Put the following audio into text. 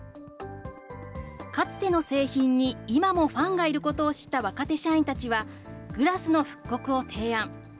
かつての製品に今もファンがいることを知った若手社員たちは、グラスの復刻を提案。